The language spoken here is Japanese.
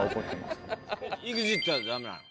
ＥＸＩＴはダメなの？